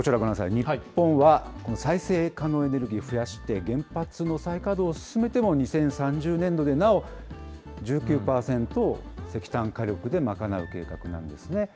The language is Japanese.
日本は再生可能エネルギーを増やして原発の再稼働を進めても２０３０年度でなお１９％を石炭火力で賄う計画なんですね。